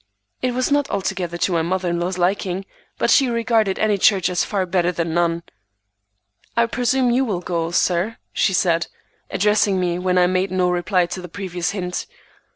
It was not altogether to my mother in law's liking, but she regarded any church as far better than none. "I presume you will go, sir," she said, addressing me when I made no reply to the previous hint.